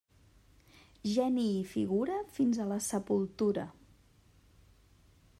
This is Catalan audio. Geni i figura fins a la sepultura.